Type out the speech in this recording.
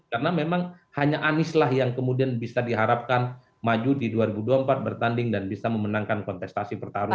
karena memang hanya anies lah yang kemudian bisa diharapkan maju di dua ribu dua puluh empat bertanding dan bisa memenangkan kontestasi pertarungan